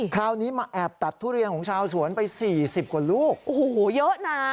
คราวนี้มาแอบตัดทุเรียนของชาวสวนไปสี่สิบกว่าลูกโอ้โหเยอะน่ะ